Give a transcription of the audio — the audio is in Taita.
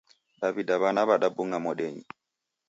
Daw'ida w'ana w'adabung'a modenyi.